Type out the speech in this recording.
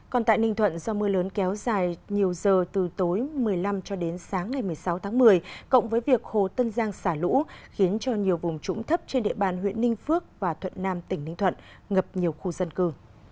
còn tại ninh thuận do mưa lớn kéo dài nhiều giờ từ tối một mươi năm cho đến sáng ngày một mươi sáu tháng một mươi cộng với việc hồ tân giang xả lũ khiến cho nhiều vùng trũng thấp trên địa bàn huyện ninh phước và thuận nam tỉnh ninh thuận ngập nhiều khu dân cư